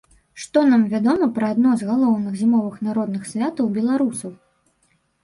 Што нам вядома пра адно з галоўных зімовых народных святаў беларусаў?